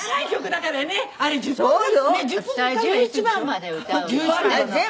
１１番まで歌うのはね。